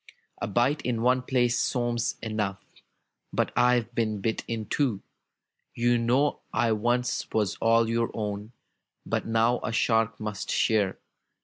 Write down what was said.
A bite in one place seems enough. But I've been bit in two. "You know I once was all your own. But now a shark must share!